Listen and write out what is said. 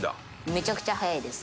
めちゃくちゃ速いです。